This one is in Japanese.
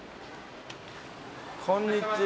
こんにちは。